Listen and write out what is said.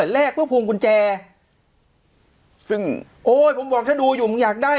แลกเพื่อภูมิกุญแจซึ่งโอ้ยผมบอกถ้าดูอยู่มึงอยากได้